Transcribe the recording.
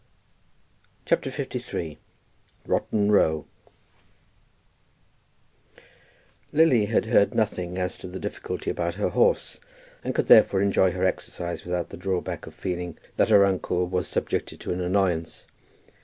CHAPTER LIII. ROTTEN ROW. Lily had heard nothing as to the difficulty about her horse, and could therefore enjoy her exercise without the drawback of feeling that her uncle was subjected to an annoyance.